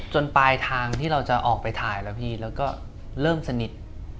ปลายทางที่เราจะออกไปถ่ายแล้วพี่แล้วก็เริ่มสนิท